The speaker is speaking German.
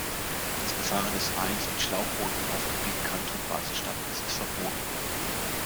Das Befahren des Rheins mit Schlauchbooten auf Gebiet Kanton Basel-Stadt ist verboten.